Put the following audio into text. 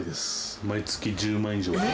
毎月１０万以上。